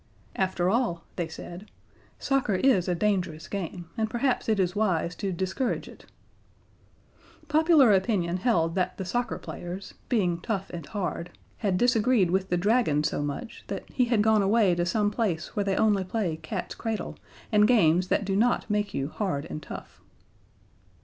"After all," they said, "soccer is a dangerous game, and perhaps it is wise to discourage it." Popular opinion held that the Soccer Players, being tough and hard, had disagreed with the Dragon so much that he had gone away to some place where they only play cats' cradle and games that do not make you hard and tough.